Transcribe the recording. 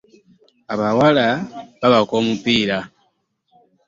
Abawala babaka omupiira.